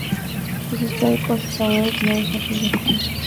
შესასვლელი კოშკს, სავარაუდოდ, მეორე სართულზე ჰქონდა.